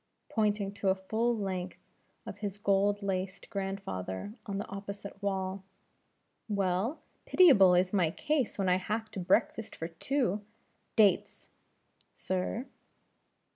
pointing to a full length of his gold laced grandfather on the opposite wall. "Well, pitiable is my case when I have to breakfast for two. Dates!" "Sir."